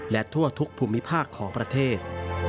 และทั่วทุกภูมิภาคของประเทศ